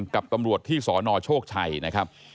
กับตำรวจที่สนโชคชัยนะครับ